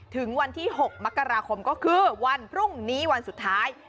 ถึงวันที่๖มกราคมก็คือวันพรุ่งนี้วันสุดท้าย